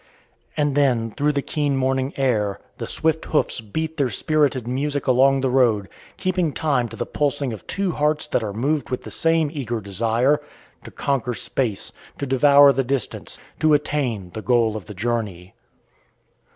And then, through the keen morning air, the swift hoofs beat their spirited music along the road, keeping time to the pulsing of two hearts that are moved with the same eager desire to conquer space, to devour the distance, to attain the goal of the journey.